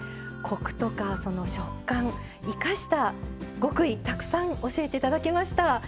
コクとか食感生かした極意たくさん教えて頂きました。